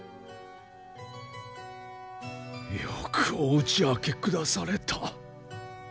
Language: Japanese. よくお打ち明けくだされた。